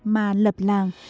mà lập làng